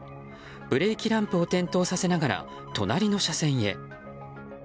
ブレーキランプを点灯させながら隣の車線へ。